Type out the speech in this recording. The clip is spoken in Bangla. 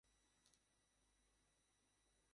কিন্তু আপনি এখানে নতুন।